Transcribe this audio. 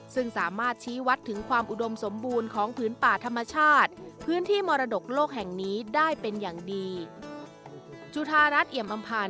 ซึ่งสามารถชี้วัดถึงความอุดมสมบูรณ์ของพื้นป่าธรรมชาติพื้นที่มรดกโลกแห่งนี้ได้เป็นอย่างดี